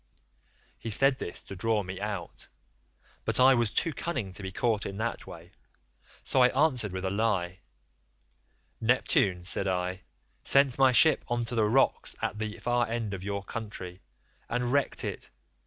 "He said this to draw me out, but I was too cunning to be caught in that way, so I answered with a lie; 'Neptune,' said I, 'sent my ship on to the rocks at the far end of your country, and wrecked it.